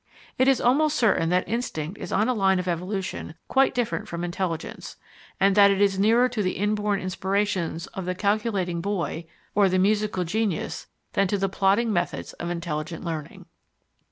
It is almost certain that instinct is on a line of evolution quite different from intelligence, and that it is nearer to the inborn inspirations of the calculating boy or the musical genius than to the plodding methods of intelligent learning.